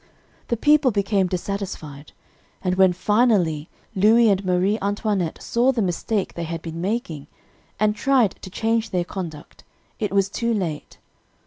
"The people became dissatisfied; and when, finally, Louis and Marie Antoinette saw the mistake they had been making, and tried to change their conduct, it was too late.